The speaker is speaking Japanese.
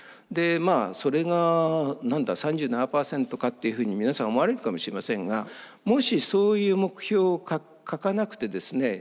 でそれが「何だ３７％か」っていうふうに皆さん思われるかもしれませんがもしそういう目標を書かなくてですね